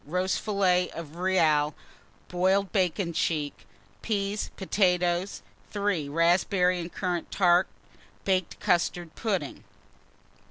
Roast fillet of real, boiled bacon cheek, peas, potatoes. 3. Raspberry and currant tart, baked custard pudding.